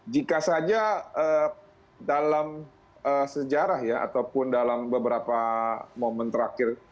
jika saja dalam sejarah ya ataupun dalam beberapa momen terakhir